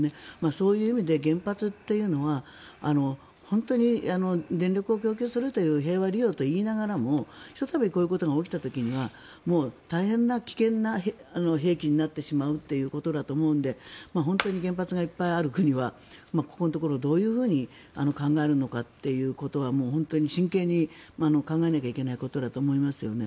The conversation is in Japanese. そういう意味で原発というのは本当に電力を供給するという平和利用といいながらひとたびこういうことが起きた時は大変な危険な兵器になってしまうということだと思うので本当に原発がいっぱいある国はここのところをどういうふうに考えるのかということはもう本当に真剣に考えなきゃいけないことだと思いますよね。